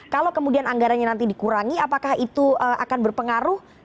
kalau kemudian anggarannya nanti dikurangi apakah itu akan berpengaruh